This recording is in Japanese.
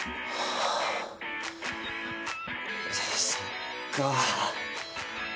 そっか。